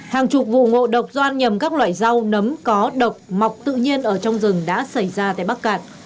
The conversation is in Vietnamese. hàng chục vụ ngộ độc doan nhầm các loại rau nấm có độc mọc tự nhiên ở trong rừng đã xảy ra tại bắc cạn